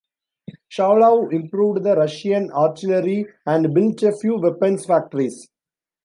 Shuvalov improved the Russian artillery and built a few weapons factories.